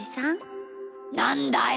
なんだい？